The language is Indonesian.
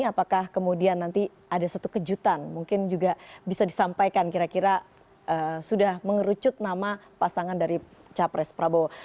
apakah kemudian nanti ada satu kejutan mungkin juga bisa disampaikan kira kira sudah mengerucut nama pasangan dari capres prabowo